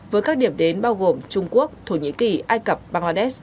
với các điểm đến bao gồm trung quốc thổ nhĩ kỳ ai cập bangladesh